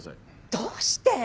どうして！？